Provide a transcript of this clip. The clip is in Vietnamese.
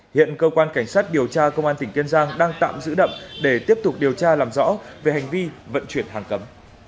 hiện cơ quan cảnh sát điều tra công an tỉnh kiên giang đang tạm giữ đậm để tiếp tục điều tra làm rõ về hành vi vận chuyển hàng cấm